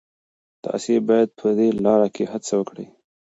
تاسي باید په دې لاره کي هڅه وکړئ.